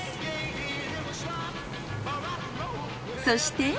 そして。